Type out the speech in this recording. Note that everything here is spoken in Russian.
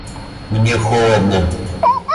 — Мне холодно.